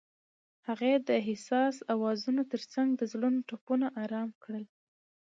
هغې د حساس اوازونو ترڅنګ د زړونو ټپونه آرام کړل.